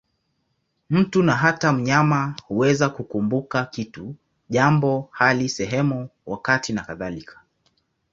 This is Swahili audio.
Mtu, na hata mnyama, huweza kukumbuka kitu, jambo, hali, sehemu, wakati nakadhalika.